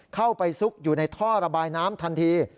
เข้าไปซุกอยู่ในท่อระบายน้ำทันที